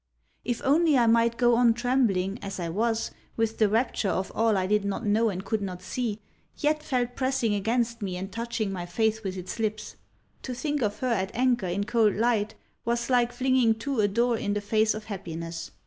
If only I might go on trembling, as I was, with the rapture of all I did not know and could not see, yet felt pressing against me and touching my face with its lips! To think of her at anchor in cold light was like flinging to a door in the face of happiness.